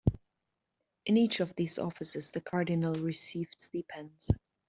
In each of these offices the cardinal received stipends.